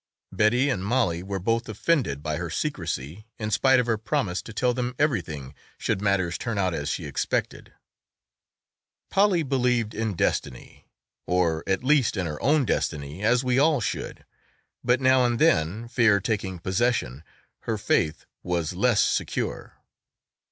Betty and Mollie were both offended by her secrecy in spite of her promise to tell them everything should matters turn out as she expected. Polly believed in destiny, or at least in her own destiny as we all should, but now and then, fear taking possession, her faith was less secure.